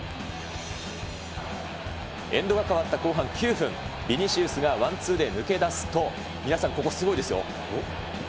エンドが変わった後半９分、ビニシウスがワンツーで抜け出すと、皆さんここすごいですよ。